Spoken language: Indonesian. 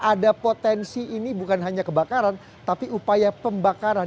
ada potensi ini bukan hanya kebakaran tapi upaya pembakaran